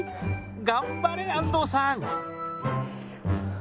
頑張れ安藤さん。